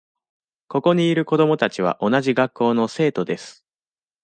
ここにいる子どもたちは同じ学校の生徒です。